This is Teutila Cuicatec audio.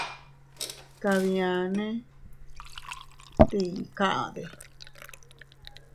Kabianne, ¿tii kaʼde?.